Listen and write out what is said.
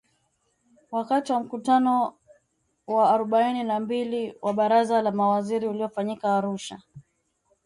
Wakati wa mkutano wa arobaini na mbili wa Baraza la Mawaziri uliofanyika Arusha